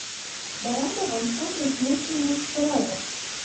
باران د افغانستان د شنو سیمو ښکلا ده.